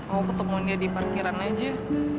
mau ketemu dia di parkiran aja